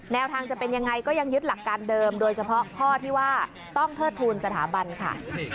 แนวทางจะเป็นยังไงก็ยังยึดหลักการเดิมโดยเฉพาะข้อที่ว่าต้องเทิดทูลสถาบันค่ะ